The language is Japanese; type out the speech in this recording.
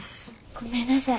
ごめんなさい